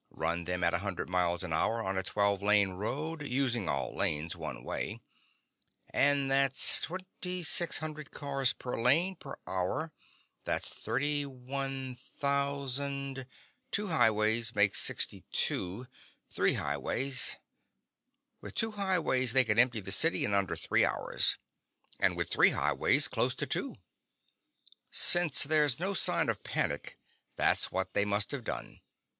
Run them at a hundred miles an hour on a twelve lane road—using all lanes one way—and that's twenty six hundred cars per lane per hour, and that's thirty one thousand ... two highways make sixty two ... three highways.... With two highways they could empty the city in under three hours, and with three highways close to two. Since there's no sign of panic, that's what they must have done.